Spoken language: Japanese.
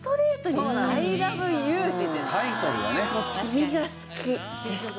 もう「君が好き」ですから。